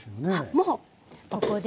もうここで。